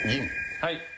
はい。